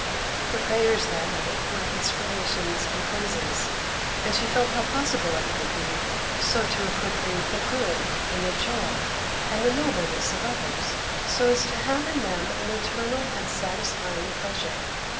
Her prayers that night were aspirations and praises; and she felt how possible it might be so to appropriate the good, and the joy, and the nobleness of others, so as to have in them an eternal and satisfying pleasure.